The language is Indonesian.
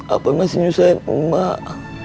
apai masih nyusahin emak